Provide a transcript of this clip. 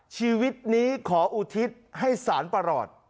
ชีวิตนี้ขออุทิศให้สารประหลอด